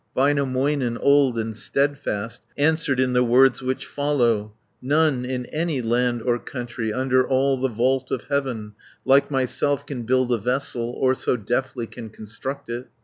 Väinämöinen, old and steadfast, Answered in the words which follow: "None in any land or country, Under all the vault of heaven, Like myself can build a vessel, Or so deftly can construct it."